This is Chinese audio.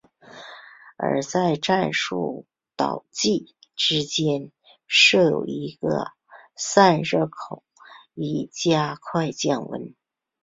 而在战术导轨之间设有一排散热孔以加快降温。